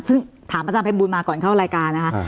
ซึ่งถามอาจารย์ภัยบูลมาก่อนเข้ารายการนะคะ